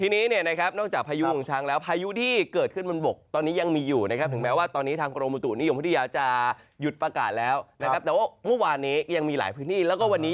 นึกว่าที่คุณเปลี่ยวตามพายุมันตรงนี้ตกตรงนี้